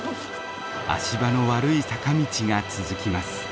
足場の悪い坂道が続きます。